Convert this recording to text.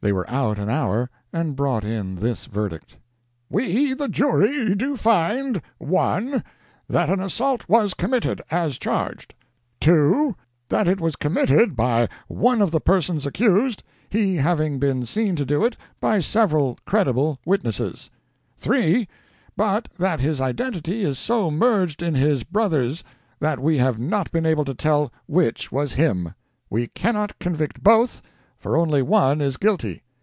They were out an hour and brought in this verdict: "We the jury do find: 1, that an assault was committed, as charged; 2, that it was committed by one of the persons accused, he having been seen to do it by several credible witnesses; 3, but that his identity is so merged in his brother's that we have not been able to tell which was him. We cannot convict both, for only one is guilty.